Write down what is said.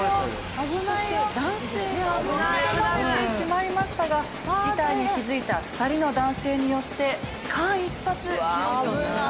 「そして男性が巻き込まれてしまいましたが事態に気づいた２人の男性によって間一髪救助されました」